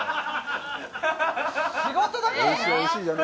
仕事だからな！